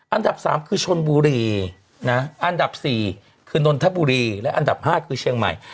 อันดับ๓คือชนบุรีนะอันดับ๔คือนนทบุรีและอันดับ๕คือเชียงใหม่